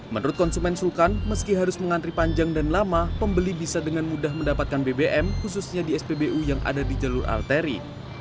menurut konsumen sulkan meski harus mengantri panjang dan lama pembeli bisa dengan mudah mendapatkan bbm khususnya di spbu yang ada di jalur arteri